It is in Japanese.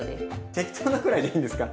適当なくらいでいいんですか？